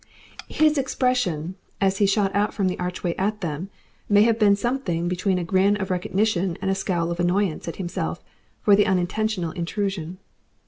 His expression, as he shot out from the archway at them, may have been something between a grin of recognition and a scowl of annoyance at himself for the unintentional intrusion.